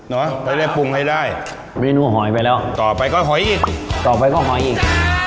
จะได้ปรุงให้ได้เมนูหอยไปแล้วต่อไปก็หอยอีกต่อไปก็หอยอีก